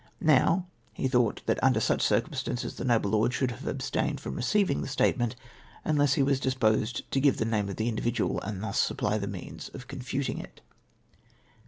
Now he thought that mider such circumstances the noble lord should have abstained from receiving the statement unless he was disposed to give the name of the individual, and thus supply the means of con futing it.